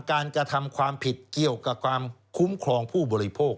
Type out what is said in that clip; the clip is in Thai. กระทำความผิดเกี่ยวกับความคุ้มครองผู้บริโภค